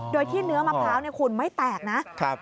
โดยที่เนื้อมะพร้าวคุณไม่แตกนะ